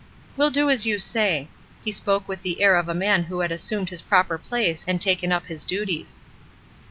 "We'll do as you say." He spoke with the air of a man who had assumed his proper place and taken up his duties.